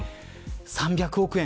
３００億円